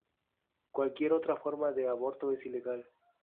Cualquier otra forma de aborto es ilegal.